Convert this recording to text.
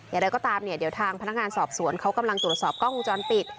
อย่างไรก็ตามเนี่ยเดี๋ยวทางพนักงานสอบสวนเขากำลังตรวจสอบกล้องวงจรปิด